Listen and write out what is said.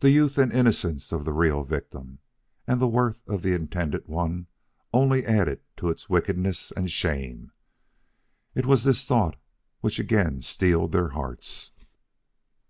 The youth and innocence of the real victim and the worth of the intended one only added to its wickedness and shame. It was this thought which again steeled their hearts.